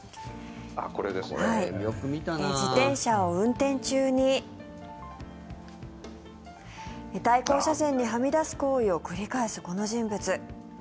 自転車を運転中に対向車線にはみ出す行為を繰り返すこの人物。